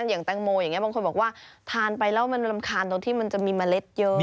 อย่างแตงโมอย่างนี้บางคนบอกว่าทานไปแล้วมันรำคาญตรงที่มันจะมีเมล็ดเยอะ